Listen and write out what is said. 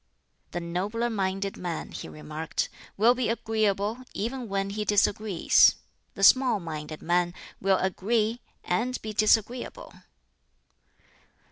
"The nobler minded man," he remarked, "will be agreeable even when he disagrees; the small minded man will agree and be disagreeable."